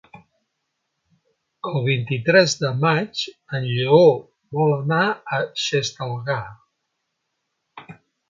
El vint-i-tres de maig en Lleó vol anar a Xestalgar.